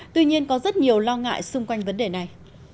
tuy nhiên có rất nhiều lo ngại xung quanh vấn đề này